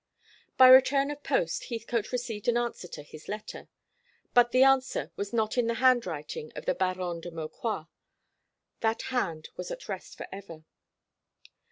By return of post Heathcote received an answer to his letter; but the answer was not in the handwriting of the Baronne de Maucroix. That hand was at rest for ever.